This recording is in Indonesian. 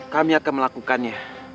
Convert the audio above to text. kami akan melakukannya